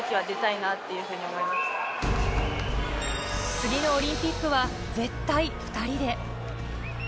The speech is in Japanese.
次のオリンピックは絶対２人で。